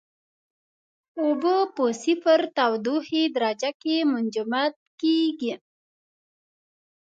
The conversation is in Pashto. اوبه په صفر تودوخې درجه کې منجمد کیږي.